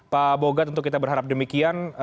pak bogat untuk kita berharap demikian